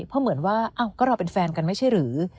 เพราะเหมือนว่าก็เราเป็นแฟนกันไม่ใช่หรือ